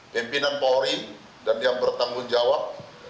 pimpinan polri dan yang bertanggung jawab